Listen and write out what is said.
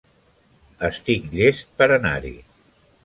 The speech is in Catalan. Estic llest per anar-hi.